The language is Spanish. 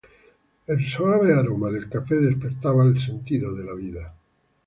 El suave aroma del café despertaba el sentido de la vida.